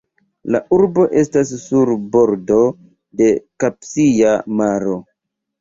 La urbo estas sur bordo de Kaspia Maro.